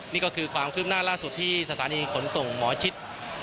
นี่ก็คือความคืบหน้าล่าสุดที่สถานีขนส่งหมอชิด